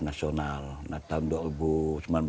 nasional nah tahun dua ribu sembilan belas